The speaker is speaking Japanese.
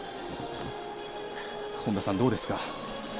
本田さん、どうですか？